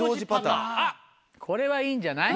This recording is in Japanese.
あっこれはいいんじゃない？